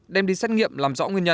đem đi xét nghiệm làm rõ nguyên nhân